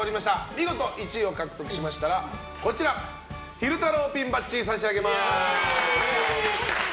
見事１位を獲得しましたら昼太郎ピンバッジ差し上げます。